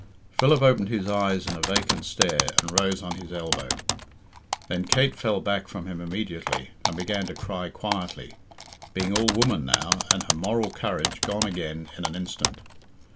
Philip opened his eyes in a vacant stare, and rose on his elbow. Then Kate fell back from him immediately, and began to cry quietly, being all woman now, and her moral courage gone again in an instant.